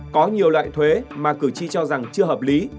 có nhiều loại thuế mà cử tri cho rằng chưa hợp lý